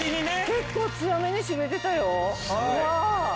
結構強めに締めてたよ。